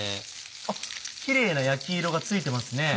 あっキレイな焼き色がついてますね。